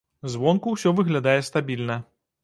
Звонку ўсё выглядае стабільна.